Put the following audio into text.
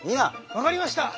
分かりました。